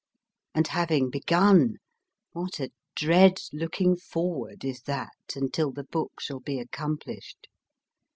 And having begun, what a dread looking forward is that until the book shall be accomplished